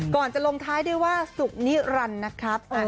ก่อนจะลงท้ายด้วยว่าสุขนิรันดิ์นะครับ